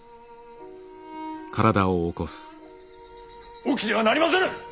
起きてはなりませぬ。